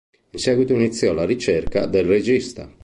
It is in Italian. In seguito iniziò la ricerca del regista.